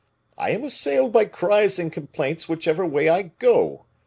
I am assailed by cries and complaints whichever way I go.